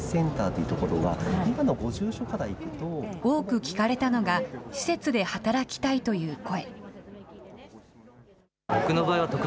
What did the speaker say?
多く聞かれたのが施設で働きたいという声。